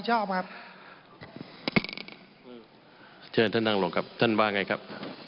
เชิญท่านต่างหลวงครับท่านว่าไงครับ